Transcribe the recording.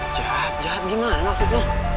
jahat jahat gimana maksud lo